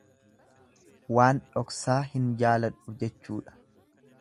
Waan dhoksaa hin jaaladhu jechuudha.